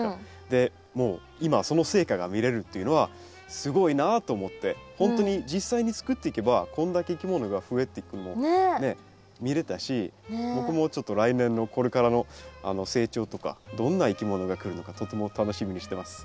でもう今その成果が見れるっていうのはすごいなと思ってほんとに実際に作っていけばこんだけいきものが増えていくのをね見れたし僕もちょっと来年のこれからの成長とかどんないきものが来るのかとても楽しみにしてます。